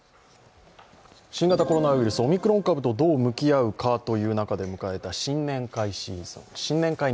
新型コロナウイルス、オミクロン株とどう向き合うかという中で迎えた新年会シーズン。